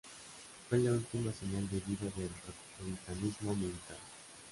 Fue la última señal de vida del republicanismo militar.